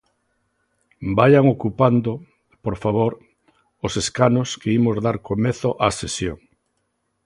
Vaian ocupando, por favor, os escanos que imos dar comezo á sesión.